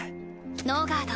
ノーガード。